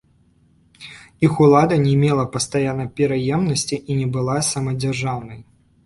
Іх улада не мела пастаяннай пераемнасці і не была самадзяржаўнай.